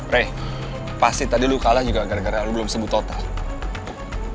rey pasti tadi lu kalah juga gara gara lu belum sembuh total